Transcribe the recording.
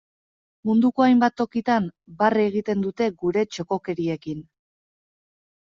Munduko hainbat tokitan, barre egiten dute gure txokokeriekin.